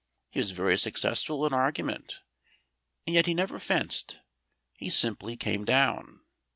He was very successful in argument, and yet he never fenced. He simply came down.